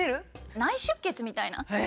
内出血みたいな。